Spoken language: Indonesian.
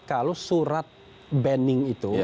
kalau surat banning itu